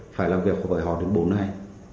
phải làm việc với họ đến bốn ngày